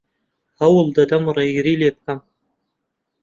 هەوڵ دەدەم ڕێگری لێ بکەم.